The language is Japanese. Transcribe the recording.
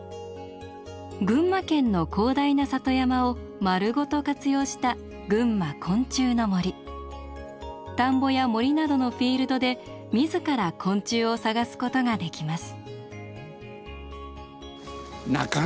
群馬県の広大な里山を丸ごと活用した田んぼや森などのフィールドで自ら昆虫を探すことができます。